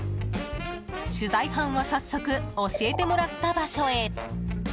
取材班は早速教えてもらった場所へ。